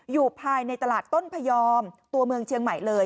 อยู่ภายในตลาดต้นพยอมตัวเมืองเชียงใหม่เลย